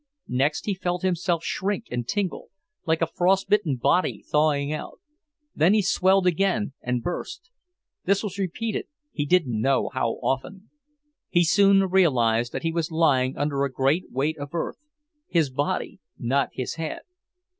Next he felt himself shrink and tingle, like a frost bitten body thawing out. Then he swelled again, and burst. This was repeated, he didn't know how often. He soon realized that he was lying under a great weight of earth; his body, not his head.